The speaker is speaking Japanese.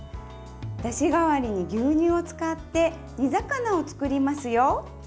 だし代わりに牛乳を使って煮魚を作りますよ。